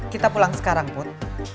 kita pulang sekarang put